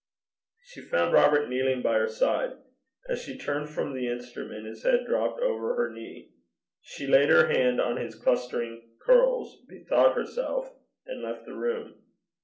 She found Robert kneeling by her side. As she turned from the instrument his head drooped over her knee. She laid her hand on his clustering curls, bethought herself, and left the room.